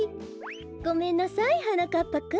ごめんなさいはなかっぱくん。